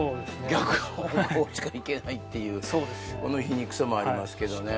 逆方向しか行けないっていうこの皮肉さもありますけどね